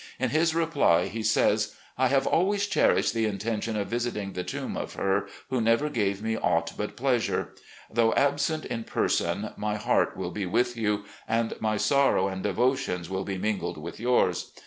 In his reply, he says :"... I have always cherished the intention of visiting the tomb of her who never gave me aught but pleasure; ... Though absent in person, my heart will be with you, and my sorrow and devotions will be mingled with yours.